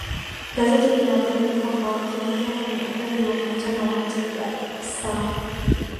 gazeti lina baini kwamba wakiongea kwenye ukumbi wa mkutano wa hotel ya sa